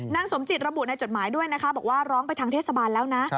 สมจิตระบุในจดหมายด้วยนะคะบอกว่าร้องไปทางเทศบาลแล้วนะ